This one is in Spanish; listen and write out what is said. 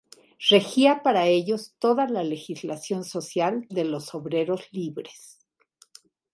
Regía para ellos toda la legislación social de los obreros libres.